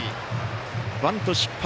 バント失敗。